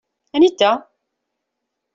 Anita?